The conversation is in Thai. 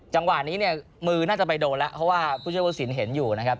จังหวะนี้เนี่ยมือน่าจะไปโดนแล้วเพราะว่าผู้ช่วยผู้สินเห็นอยู่นะครับ